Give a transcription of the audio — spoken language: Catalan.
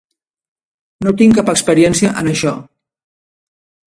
No tinc cap experiència en això.